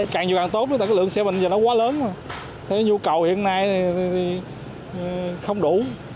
càng nhiều càng tốt nhưng lượng xe bình giờ nó quá lớn mà thế nhu cầu hiện nay thì không đủ